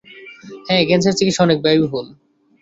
হ্যাঁ, ক্যান্সারের চিকিৎসা অনেক ব্যয়বহুল।